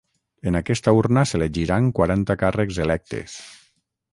En aquesta urna s’elegiran quaranta càrrecs electes.